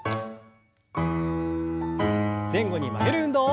前後に曲げる運動。